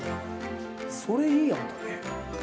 それ、いい案だね。